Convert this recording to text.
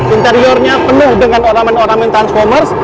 interiornya penuh dengan ornamen ornamen transformers